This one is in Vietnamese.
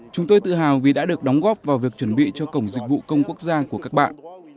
chúng tôi tự hào vì đã được đóng góp vào việc chuẩn bị cho cổng dịch vụ công quốc gia của các bạn